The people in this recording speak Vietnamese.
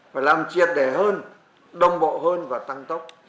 phải làm triệt đề hơn đồng bộ hơn và tăng tốc